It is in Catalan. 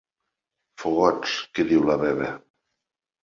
Fogots, que diu la Veva.